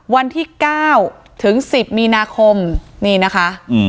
วันที่๙๑๐มีนาคมคนนี่นะคะ